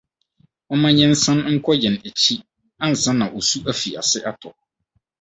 Momma yɛnsan nkɔ yɛn akyi ansa na osu afi ase atɔ.